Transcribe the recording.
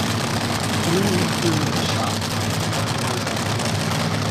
Come in through the shop if t'other door's out of order!